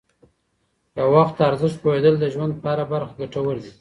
د وخت ارزښت پوهیدل د ژوند په هره برخه کې ګټور دي.